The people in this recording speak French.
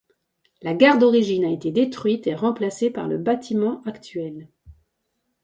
La gare d'origine a été détruite et remplacée par le bâtiment actuel.